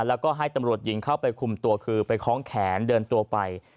แล้วก็ให้ตำรวจหญิงเข้าไปคุมตัวคือไปคล้องแขนเดินตัวไป